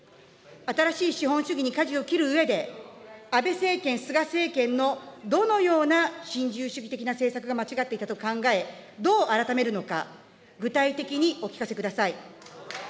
新しい資本主義にかじを切るうえで、安倍政権、菅政権のどのような新自由主義的な政策が間違っていたと考え、どう改めるのか、具体的にお聞かせください。